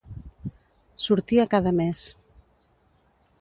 Sortia cada mes.